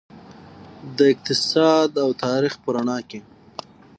د اقتصاد او تاریخ په رڼا کې.